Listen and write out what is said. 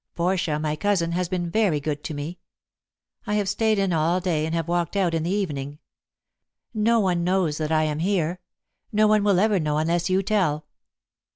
Portia, my cousin, has been very good to me. I have stayed in all day and have walked out in the evening. No one knows that I am here. No one will ever know unless you tell."